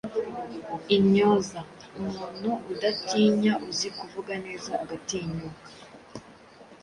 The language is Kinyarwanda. Intyoza: umuntu udatinya uzi kuvuga neza agatinyuka